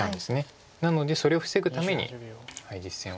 なのでそれを防ぐために実戦は。